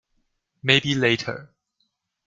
Maybe later.